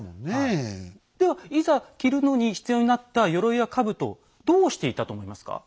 ではいざ着るのに必要になった鎧や兜をどうしていたと思いますか？